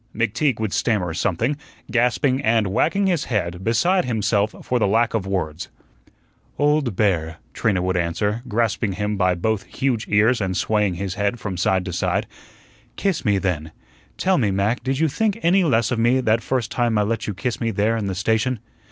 McTeague would stammer something, gasping, and wagging his head, beside himself for the lack of words. "Old bear," Trina would answer, grasping him by both huge ears and swaying his head from side to side. "Kiss me, then. Tell me, Mac, did you think any less of me that first time I let you kiss me there in the station?